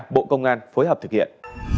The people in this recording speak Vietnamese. bộ công an phối hợp thực hiện